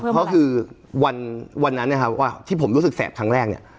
เพราะคือวันนั้นนะครับว่าที่ผมรู้สึกแสบครั้งแรกเนี่ย